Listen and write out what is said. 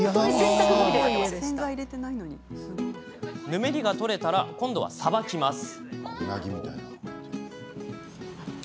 ぬめりが取れたら今度は、さばきます。